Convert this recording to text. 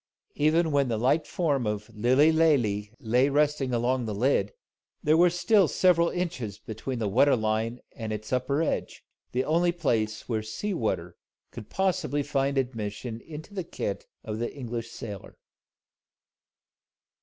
Even when the light form of Lilly Lalee lay resting along the lid, there were still several inches between the water line and its upper edge, the only place where sea water could possibly find admission into the kit of the English sailor.